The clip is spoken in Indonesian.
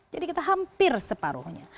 jadi kita hampir separuhnya